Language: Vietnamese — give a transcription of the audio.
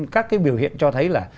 các cái biểu hiện cho thấy là